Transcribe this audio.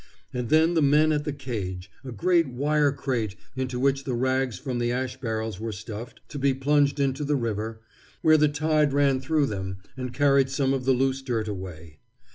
And then the men at the cage a great wire crate into which the rags from the ash barrels were stuffed, to be plunged into the river, where the tide ran through them and carried some of the loose dirt away.